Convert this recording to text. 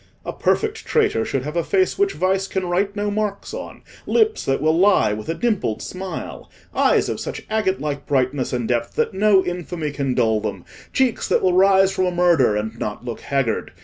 A perfect traitor should have a face which vice can write no marks on—lips that will lie with a dimpled smile—eyes of such agate like brightness and depth that no infamy can dull them—cheeks that will rise from a murder and not look haggard.